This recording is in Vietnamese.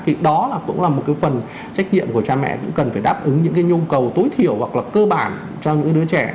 thì đó cũng là một cái phần trách nhiệm của cha mẹ cũng cần phải đáp ứng những cái nhu cầu tối thiểu hoặc là cơ bản cho những cái đứa trẻ